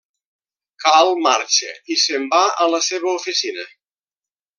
Cal marxa i se'n va a la seva oficina.